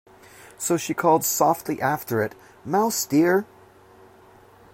So she called softly after it, ‘Mouse dear!’